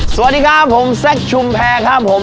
สวัสดีครับผมแซคชุมแพรครับผม